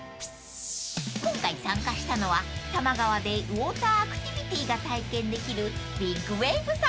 ［今回参加したのは多摩川でウオーターアクティビティが体験できる］